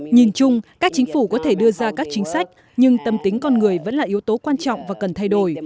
nhìn chung các chính phủ có thể đưa ra các chính sách nhưng tâm tính con người vẫn là yếu tố quan trọng và cần thay đổi